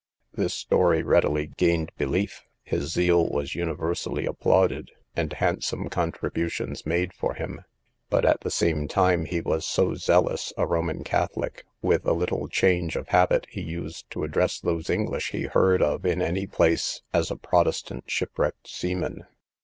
This story readily gained belief; his zeal was universally applauded, and handsome contributions made for him; but at the same time he was so zealous a Roman catholic, with a little change of habit, he used to address those English he heard of in any place as a protestant shipwrecked seaman.